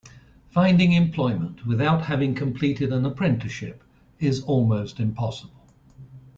Finding employment without having completed an apprenticeship is almost impossible.